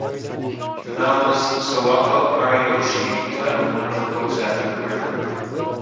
The novelist Sawako Ariyoshi titled one of her books after the river.